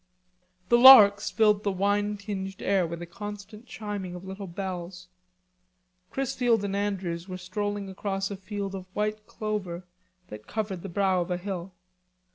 The larks filled the wine tinged air with a constant chiming of little bells. Chrisfield and Andrews were strolling across a field of white clover that covered the brow of a hill.